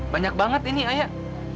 banyak banget ini ayah